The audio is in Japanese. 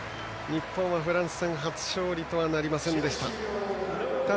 日本はフランス戦初勝利とはなりませんでした。